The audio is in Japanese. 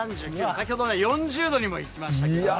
先ほどね、４０度にもいきました。